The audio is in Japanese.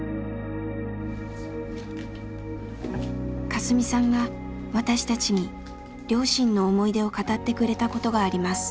カスミさんが私たちに両親の思い出を語ってくれたことがあります。